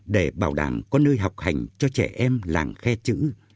để bảo đảm có nơi học hành cho trẻ em làng khe chữ